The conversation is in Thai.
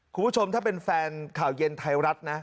คุณผู้ชมถ้าเป็นแฟนข่าวเย็นไทยรัฐนะ